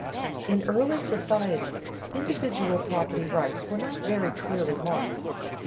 _ In early societies individual property rights were not very clearly marked.